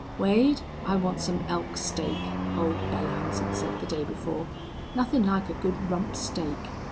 "Wade, I want some elk steak," old Belllounds had said the day before. "Nothin' like a good rump steak!